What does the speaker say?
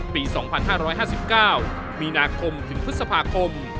ปี๒๕๕๙มีนาคมถึงพฤษภาคม